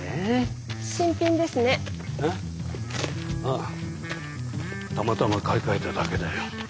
あたまたま買い替えただけだよ。